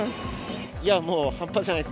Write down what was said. いや、もう半端じゃないです。